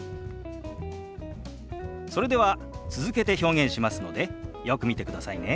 それでは続けて表現しますのでよく見てくださいね。